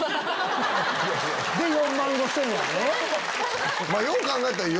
で４万５０００やろ？